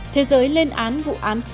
thế giới lên án vụ án